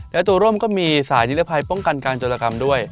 และตัวร่มก็มีสายนิรภัยป้องกันการจรกรรมด้วย